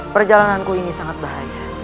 perjalananku ini sangat bahaya